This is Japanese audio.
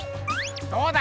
どうだ！